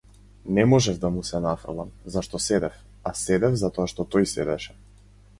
Не можев да му се нафрлам, зашто седев, а седев затоа што тој седеше.